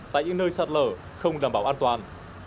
tại những nơi sạt lở không đảm bảo an toàn